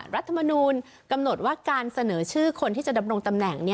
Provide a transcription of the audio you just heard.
รัฐมนูลกำหนดว่าการเสนอชื่อคนที่จะดำรงตำแหน่ง